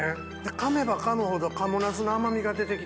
かめばかむほど賀茂なすの甘みが出てきて。